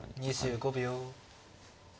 ２５秒。